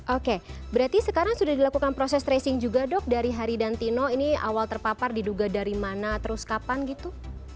oke berarti sekarang sudah dilakukan proses tracing juga dok dari hari dan tino ini awal terpapar diduga dari mana terus kapan gitu